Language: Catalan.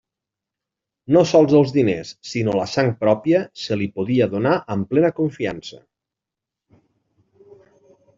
No sols els diners, sinó la sang pròpia, se li podia donar amb plena confiança.